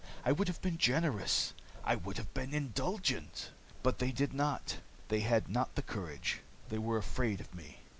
I would have been generous. I would have been indulgent. But they did not. They had not the courage. They were afraid of me.